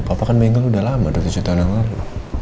papa kan menganggur udah lama dua tujuh tahun yang lalu